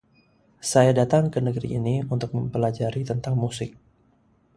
Saya datang ke negeri ini untuk mempelajari tentang musik.